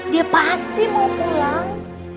dia pasti mau pulang